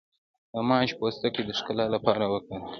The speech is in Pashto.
د ماش پوستکی د ښکلا لپاره وکاروئ